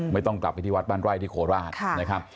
ไม่ต้องกลับไปที่วัดบ้านไร่ที่โคราชนะครับ